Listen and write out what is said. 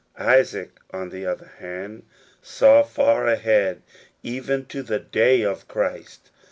Isaac, on the other hand, saw far ahead, even to the day of Christ.